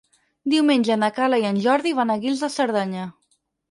Diumenge na Carla i en Jordi van a Guils de Cerdanya.